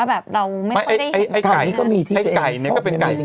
แบบเราก็ไม่ค่อยได้เห็นต่างแน่